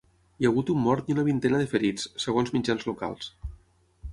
Hi ha hagut un mort i una vintena de ferits, segons mitjans locals.